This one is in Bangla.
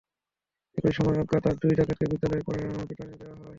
একই সময় অজ্ঞাত আরও দুই ডাকাতকে বিদ্যালয়ের মাঠে পিটুনি দেওয়া হয়।